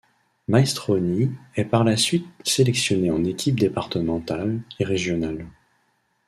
Maestroni est par la suite sélectionné en équipe départementale et régionale.